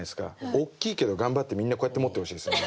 大きいけど頑張ってみんなこうやって持ってほしいんですよね。